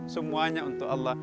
semuanya untuk allah